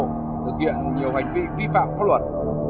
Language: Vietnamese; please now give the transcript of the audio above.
thực hiện nhiều hành vi vi phạm pháp luật